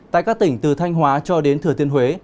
tại các tỉnh từ thanh hóa cho đến thừa thiên huế